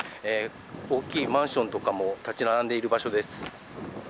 大きいマンションとかも立ち並んでいる場所です。